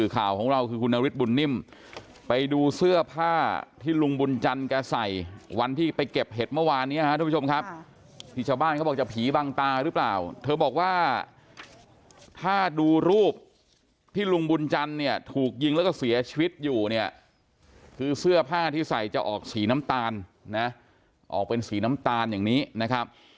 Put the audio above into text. คือเสื้อผ้าที่ใส่จะออกสีน้ำตาลนะออกเป็นสีน้ำตาลอย่างนี้นะครับ